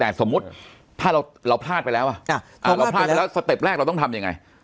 แต่สมมุติถ้าเราพลาดไปแล้วเราพลาดไปแล้วสเต็ปแรกเราต้องทำยังไง